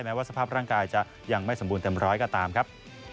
ว่าสภาพร่างกายจะยังไม่สมบูรณ์เต็มร้อยก็ตามครับ